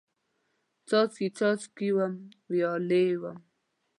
څاڅکي، څاڅکي وم، ویالې وم